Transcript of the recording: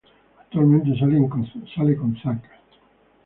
Actualmente sale con Zac.